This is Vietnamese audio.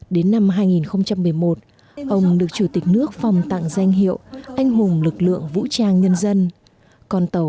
đến năm hai nghìn một mươi một ông được chủ tịch nước phòng tặng danh hiệu anh hùng lực lượng vũ trang nhân dân